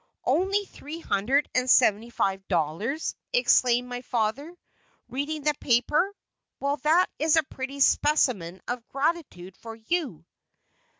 "Only three hundred and seventy five dollars!" exclaimed my father, reading the paper; "well, there is a pretty specimen of gratitude for you!"